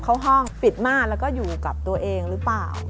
ก็อยู่กับตัวเองหรือเปล่า